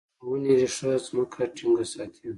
د ونې ریښه ځمکه ټینګه ساتي.